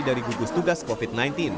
dari gugus tugas covid sembilan belas